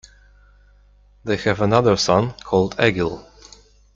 They have another son called Egil.